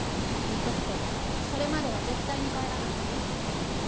言っとくけどそれまでは絶対に帰らないからね。